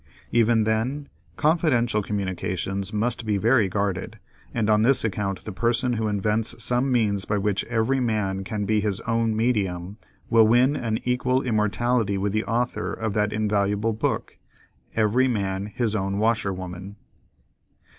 Even then, confidential communications must be very guarded, and on this account the person who invents some means by which every man can be his own medium, will win an equal immortality with the author of that invaluable book, "Every Man his own Washerwoman."